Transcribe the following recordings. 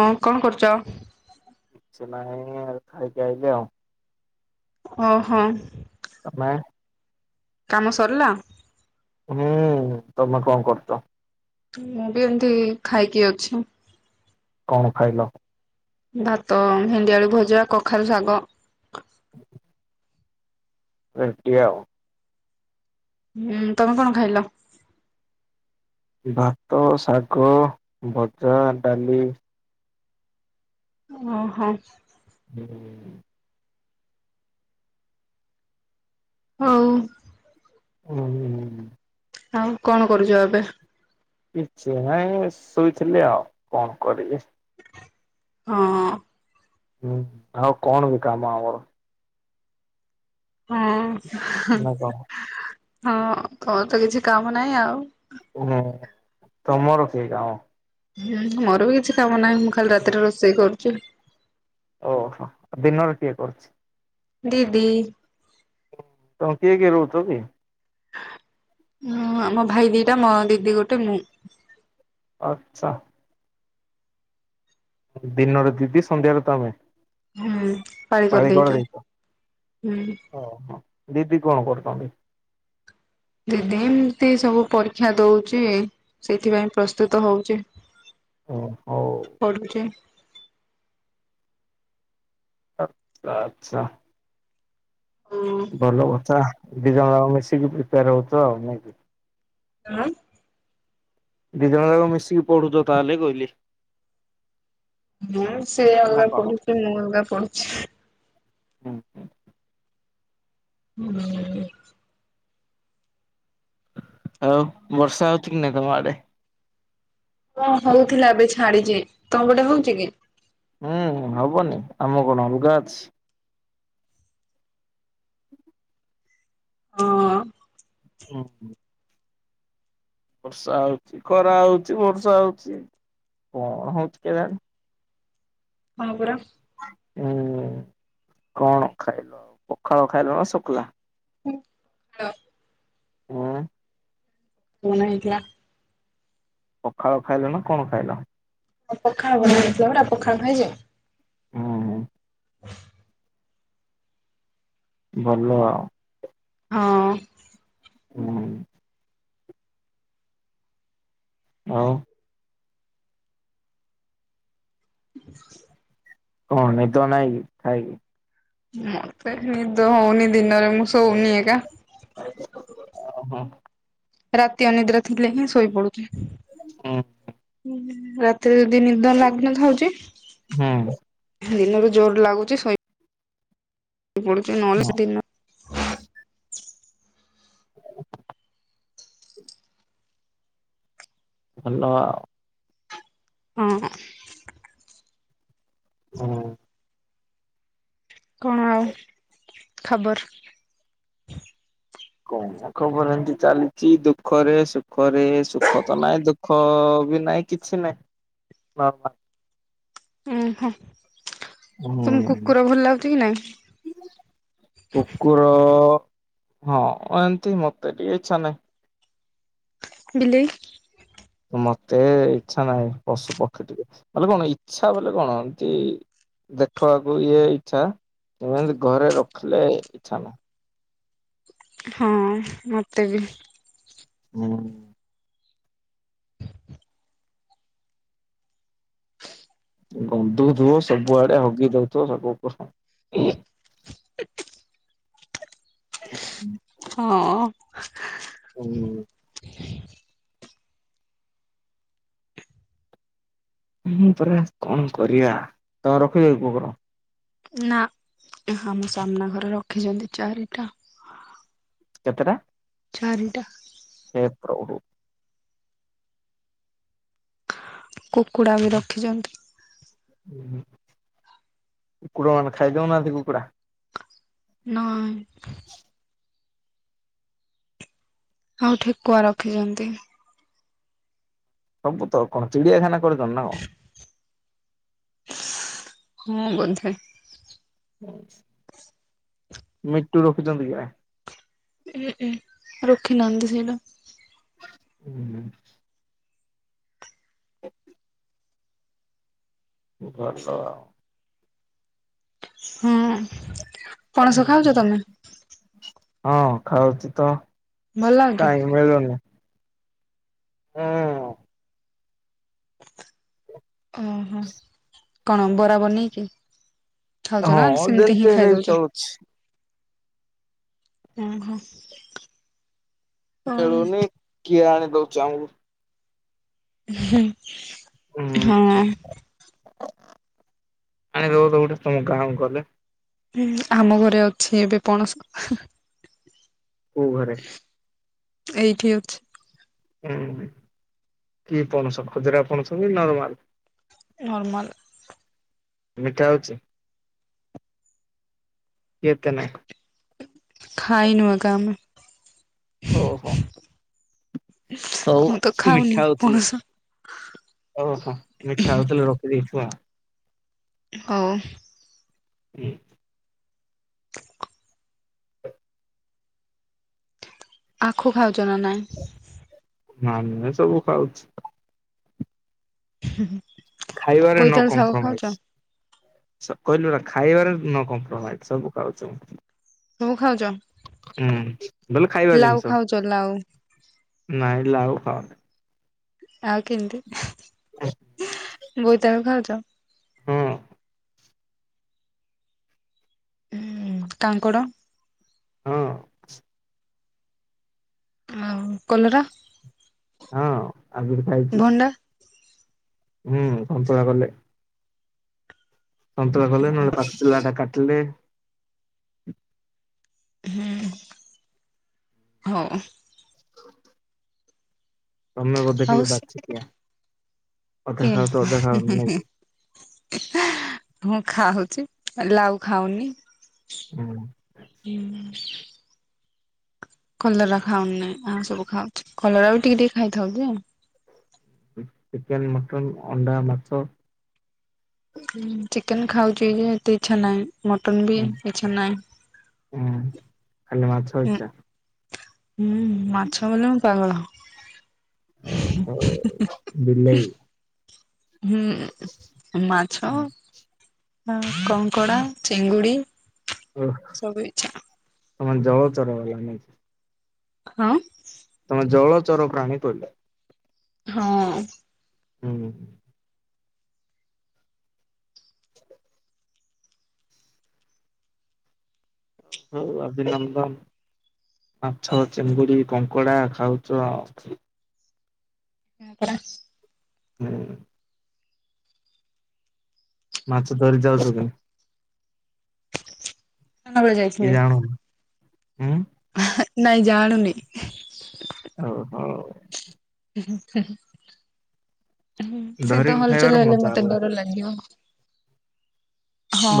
ହଁ କଣ କରୁଚ? କିଛି ନାହିଁ ଆଉ ଖାଇକି ଆଇଲି ଆଉ। ଓହୋ। ତମେ? କାମ ସରିଲା ହୁଁ ତମେ କଣ କରଚ? ମୁଁ ବି ଏମତି ଖାଇକି ଅଛି। କଣ ଖାଇଲ? ଭାତ ଭେଣ୍ଡିଆଳୁ ଭଜା କଖାରୁ ଶାଗ। ଏମତି ଆଉ। ହୁଁ ତମେ କଣ ଖାଇଲ? ଭାତ, ଶାଗ, ଭଜା, ଡାଲି। ଓହୋ। ହୁଁ। ହଉ। ହୁଁ ହୁଁ। ଆଉ କଣ କରୁଚ ଏବେ? କିଛି ନାଇଁ ଶୋଇଥିଲି ଆଉ କଣ କରିବି ହଁ। ହୁଁ ଆଉ କଣ ବିକାମ ଆମର ହଁ ନା କଣ ହଁ ତୋମର ତ କିଛି କାମ ନାହିଁ ଆଉ। ହୁଁ ତମର କି କାମ? ହୁଁ ମୋର ବି କିଛି କାମ ନାହିଁ ମୁଁ ଖାଲି ରାତିରେ ରୋଷେଇ କରୁଛି। ଓହୋ ଦିନରେ କିଏ କରୁଛି? ଦିଦି। ତମେ କିଏ କିଏ ରହୁଛ କି? ହ ଆମ ଭାଇ ଦିଟା ମୋ ଦିଦି ଗୋଟେ ମୁଁ। ଆଚ୍ଛା। ଦିନରେ ଦିଦି ସନ୍ଧ୍ୟାରେ ତମେ। ହୁଁ ପଳି କରି ପାଳି ଦେଇେଛ କରିଦେଇଛ ହୁଁ। ଓହୋ ଦିଦି କଣ କରୁଛନ୍ତି? ଦିଦି ଏମିତି ସବୁ ପରୀକ୍ଷା ଦଉଛି ସେଥିପାଇଁ ପ୍ରସ୍ତୁତ ହଉଛି। ଓ ହଉ ପଢୁଛି। ଆଚ୍ଛା ଆଚ୍ଛା। ହଁ। ଭଲ କଥାଡିଜ ମିଶିକି ପ୍ରିପେୟାର ହେଉଛ ଆଉ ନେଇାଇକି। ଆଁ ଦି ଜଣ ଯାକ ମିଶିକି ପଢୁଛ ତାହେଲେ କହିଲି। ହଁ ସେଇ ନା ଅଲଗା ପଡ଼ିୁଛି ମୁଁ ଅଲଗା ପଡିୁଛି। ହୁଁ ହୁଁ। ହୁଁ। ଆଉ ବର୍ଷା ହଉଛି କି ନାଇଁ ତମ ଆଡେ? ହଁ ହଉଥିଲା ଏବେ ଛାଡିଛି ତମ ଏଡେ ହଉଛି କି? ହୁଁ ହବନି ଆମ କଣ ଅଲଗା ଅଛି। [inaudible] ହଁ। ହୁଁ ବର୍ଷା ହଉଛି ଖରା ହଉଛି ବର୍ଷା ହଉଛି କଣ ହଉଛି କେଜାଣି? ହଁ ପୁର ହୁଁ କଣ ଖାଇଲ ପଖାଳ ଖାଇଲ ନା ଶୁଖଲା। ହଁ। ହଁ। ସେଣାଇକା ପଖାଳ ଖାଇଲ ନା କଣ ଖାଇଲ? ରପ ଖାବ ମିସଥିଲା ରାପୋକ ଖା ଭାଇ ଯେ ହୁଁ ଭଲ ଆଉ। ହଁ। ହୁଁ। ହଉ। [inaudible] ହଁ ନିଦ ନାହିଁ କି ଥାାଇ କିି? ମତେ ନିଦ ହଉନି ଦିନରେ ମୁଁ ଶଉନି ଏକା। ହ ହୋ। ରାତି ଅନିଦ୍ରା ଥିଲେ ହିଁ ଶୋଇପଡୁଚି। ହୁଁ ରାତି ଏତ ଯଦି ନିଦ ଲାଗ୍ିନଥାଉଛି ହୁଁ ଦିନରେ ଜୋର ଲାଗୁଛି ଶୋ ପଡୁଛି ନହେଲେ ଦି [inaudible] ଭଲ ଆଉ। ହଁ। ହଁ। କଣ ଆଉ ଖବର? କ ଖବର ଏମିତି ଚାଲିଛି ଦୁଃଖରେ ସୁଖରେ ସୁଖ ତ ନାହିଁ ଦୁଃଖ ତୁ ବି ନାଇଁ କିଛି ନାଇଁ ନର୍ମାଲ। ଆଁ ହା। ହୁଁ କି ନାଇଁ? କୁକୁର ହଁ ଏମତି ମତେ ଟିକେ ଇଚ୍ଛା ନାହିଁ। ବିଲେଇ ମତେ ଇଚ୍ଛା ନାହିଁ ପଶୁ ପକ୍ଷୀ ଟିକେ ବଲେ କଣ ଇଛା ବଲେ କଣ ଏମତି ଦେଖ ଇଏ ଇଚ୍ଛା ଏମିତି ଘରେ ରଖିଲେ ଇଛା ନାହଁ। ହଁ ମୋତେ ବି। ହୁଁ। ଗନ୍ଧୁଥିବ ସବୁଆଡେ ହଗି ଦଉଥିବ ସବୁ। ହୁଁ। ହଁ। ହୁଁ ମୁଁ ପରା କଣ କରିବା। ତମ ରଖିବ କୁହ କଣ? ନା ଆମ ସାମ୍ନା ଘରେ ରଖିଛନ୍ତି ଚାରିଟା। କେତେଟା? ଚାରିଟା। ହେ' ପ୍ରଭୁ। କୁକୁଡ଼ା ବି ରଖିଛନ୍ତି। କୁକୁଡର ମାନ ଖାଇଦଉ ନାହାନ୍ତି କୁକୁଡ଼ା। ନାଇଁ। ଆଉ ଠେକୁଆ ରଖିଛନ୍ତି। ସବୁ ତ କଣ ଚିଡ଼ିଆଖାନା କରିଛ ନା କଣ? ହଁ ବୋଧେ। ମିଟୁ ରଖୁଛନ୍ତି କି ବା। ରଖି ନାହାନ୍ତି ସେଇଟା। ଉ ହୁଁ। [unintelligible] ହୁଁ ପଣସ ଖାଉଛ ତମେ। ହଁ ଖାଉଛି ତ। ଭଲ ଲାଗୁଛି? କାହିଁକି ମିଳୁନି? ହୁଁ। ଓହୋ କଣ ବରା ବନେଇ କି? ଖାଉଛ ହଁ ନା ସେମିତି ଯେମିତି ହିଁ ହେଲେ ବି ଖାଇଦଉଛ। ଚଳୁଛି ଓ ହୋ। ମିଳୁନି କିଏ ଆଣି ଦଉଛ ଆମକୁ? ଉହୁଁ ହଁ। ଆଣିବଦ ଗୋଟେ ତମ ଗାଁକୁ ଗଲେ। ହଁ ଆମ ଘରେ ଅଛି ଏବେ ପଣସ। କୋଉ ଘରେ? ଏଇଠି ଅଛି। ହୁଁ କି ପଣସ ଖଜୁରା ପଣସ କି ନରମାଲ? ନର୍ମାଲ। ମିଠା ଅଛି। ଏତେ ନାହିଁ। ଖାଇ ନୁ ଏକା ଆମେ। ଓହୋ। ହଉ ମୁଁ ତ ଖାଉନି ମିଠା ଦଉଥିଲି। ପଣସ ଓହୋ ମିଠା ହଉଥିଲେ ରଖିଦେଇଥିବ ଆଉ। ହଉ। ହୁଁ। [unintelligible] [inaudible] ଆଖୁ ଖାଉଚ ନା ନାଇ? ହ ସବୁ ଖାଉଛି। ହଁ। ଖାଇବାରେ ନୋ କମ୍ପରମାଇଜ। କହିଲୁ ନା ଖାଇବାରେ ନୋ କମ୍ପରମାଇଜ ସବୁ ଖାଉଛି ମୁଁ। ସବୁ ଖାଉଛ? ହୁଁ ଭଲ ଖାଇବା ଲାଉ ଜିନିଷ ଖାଉଛ ଲାଉ ନାଇ ଲାଉ ହଁ। ଆଉ କେମିତି? ବୋଇତାଳୁ ଖାଉଛ? ହଁ ହୁଁ କାଙ୍କଡ? ହଁ। ଆଉ କଲରା? ହଁ ଆଗରୁ ଖାଇଛି। ଭଣ୍ଡା ହୁଁ ସନ୍ତୁଳା କଲେ। ସନ୍ତୁଳା କଲେ ନହେଲେ ପାଚିଲାଟା କାଟିଲେ ହୁଁ ହଉ। ତମେ ବୋଧେ ଟିକେ ବାଛି ଖିଆ। ହେଁ ନାଇଁ ହେ କି ହେ ହେ ଖାଉଛି ଲାଉ ଖାଉନି ହୁଁ। କଲରା ଖାଉନି ଆଉ ସବୁ ଖାଉଛି। କଲରା ବି ଟିକେ ଟିକେ ଖାଇଥାଉଛି ଆଉ। ଚିକେନ୍, ମଟନ୍, ଅଣ୍ଡା, ମାଛ? ଚିକେନ ଖାଉଛି ଯେ ଏତେ ଇଚ୍ଛା ନାହିଁ। ମଟନ୍ ବି ହୁଁ ଇଚ୍ଛା ହୁଁ ଖାଲି ମାଛ ନାହିଁ। ଇଚ୍ଛା ହୁଁ ମାଛ ବୋଲି ମୁ ପାଗଳ। ଆହା ବିଲେଇ ହୁଁ ମାଛ ହଁ କଙ୍କଡା ଚିଙ୍ଗୁଡି। ସବୁ ଇଚ୍ଛା ତମ ଜଳ ଚର ବାଲା ନାଇକି? ହଁ। ଚର ପ୍ରାଣୀ ପଇଲା। ହଁ। ହୁଁ। ହଉ ଅଭିନନ୍ଦନ ମାଛ, ଚିଙ୍ଗୁଡି, କଙ୍କଡା ଖାଉଚୁ ଆଉ। ହଁ ପରା। ହୁଁ। ମାଛ ଧରି ଯାଉଛୁ କେ ସନ୍ଧ୍ୟାବେଳେ ଯାଇଥିଲି। ଜାଣୁ ହୁଁ। ନାଇଁ ଜାଣୁନି ଓ ହଉ। ସେ ତ ଧରିକି ଖାଇବାର ହଲଚଲ ହେଲେ ମଜା ମତେ ଅଲଗା। ଡର ଲାଗିବ।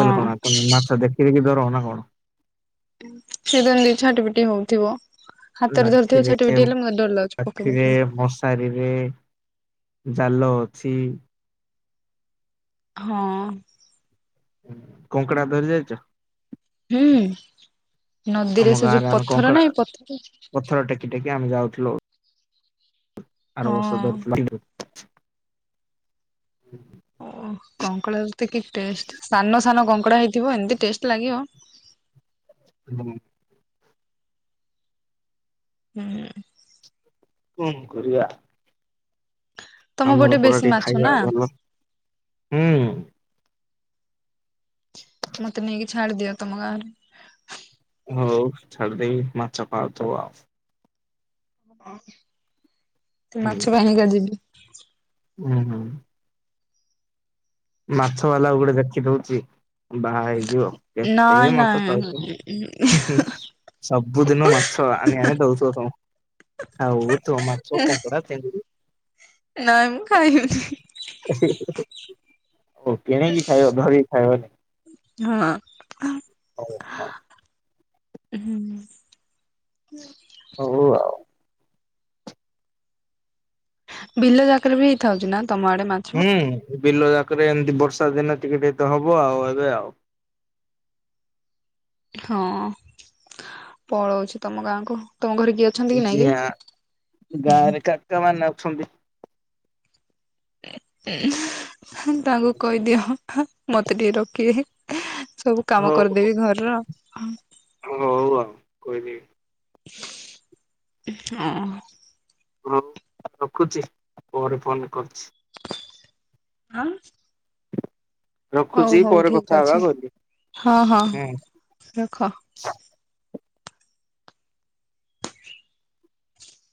ବଲେ କଣ ତମେ ମାଛ ଦେଖିକି ବି ଡର ନା କଣ? ସେ ଯେମିତି ଛାଟି ପିଟି ହଉଥିବ ହାତରେ ଧରିଥିବ ଲାଠିରେ ଛାଟି ପିଟି ହେଲେ ମତେ ଡର ଲାଗୁଛି ପକେଇ ଲାଠିରେ ଦଉଛନ୍ତି। ମଶାରୀରେ ଜାଲ ଅଛି ହଁ। କଙ୍କଡ଼ା ଧରି ଯାଇଚ। ହୁଁ। ଆମ ନଦୀରେ ସେ ଯୋଉ ଗାଁରେ ଆମେ ପଥର କଙ୍କଡା ନାହିଁ ପଥର? ପଥର ଟେକି ଟେକି ଆମେ ଯାଉଥିଲୁ। ଆର ବର୍ଷ ହଁ ଧରିଥି [unintelligible] ଓଃ କଙ୍କଡ଼ା [unintelligible] କି ଟେଷ୍ଟ। ସାନ ସାନ କଙ୍କଡା ହେଇଥିବ ଏମତି ଟେଷ୍ଟ ଲାଗିବ। ହୁଁ। ହୁଁ। କଁ କରିବା। ତମ ଆମର ପଟେ ପରା ବେଶୀ ଟିକେ ମାଛ ଖାଇବା ନା ଭଲ ହୁଁ। ମତେ ନେଇକି ଛାଡି ଦିଅ ତମ ଗାଁରେ। ହୋଉ ଛାଡ଼ିଦେବି ମାଛ ଖାଉଥିବ ଆଉ। ଅ ମାଛ ପାଇଁ କା ଯିବି। ଓହୋ। ମାଛ ବାଲା ଗୋଟେ ଦେଖି ଦୋଉଚି ବାହା ହେଇଯିବ। ନାଇଁ କେତେ ମାଛ ନାଇଁ ଖାଉଥିବ ହୁଁ ହୁଁ। ସବୁଦିନ ମାଛ ଆଣି ଆଣି ଦୋଉଥିବ ତମକୁ। ଆଉ ତୁ ମାଛ, କଙ୍କଡା, ଚେଁଙ୍ଗୁଡ଼ି। ନାଇ ମୁଁ ଖାଇମିଁନେଇ। ଓ କିଣିକି ଖାଇବ ଧରିକି ଖାଇବନି। ହଁ। ହଉ ହଁ। ହୁଁ। ହଉ ଆଉ। ବିଲ ଯାକରେ ବି ହେଇଥାଉଚି ନା। ତମ ଆଡେ ମାଛ? ହୁଁ ବିଲ ଯାକରେ ଏମିତି ପଡ- ବର୍ଷା ଦିନେ ଟିକେ ଟିକେ ତ ହବ ଆଉ ଏବେ ଆଉ। ହଁ ପଳଉଛି ତମ ଗାଁ କୁ। ଯା ଗାଁରେ କାକା ମାନେ ଅଛନ୍ତି। ହେଁ ତାଙ୍କୁ କହିଦିଅ ହ ମୋତେ ଟିକେ ରଖ- କେହି ସବୁ କାମ ହଉ କରିଦେବି ଘରର। ହଉ ଆଉ କହିଦେବୀ। ହଁ। ହଁ ରଖୁଚି ପରେ ଫୋନ କରୁଚି। ଆଁ। ହଉ ରଖୁଛି ହଉ ପରେ ଠିକ କଥା ହବା ଅଛି କହିଲି। ହଁ ହଁ ହୁଁ। ରଖ।